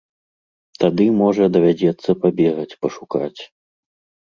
Тады, можа, давядзецца пабегаць, пашукаць.